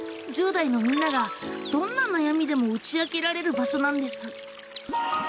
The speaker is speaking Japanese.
１０代のみんながどんな悩みでも打ち明けられる場所なんです。